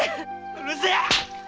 うるせえや！